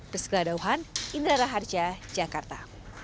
rizkyla dauhan indra raharja jakarta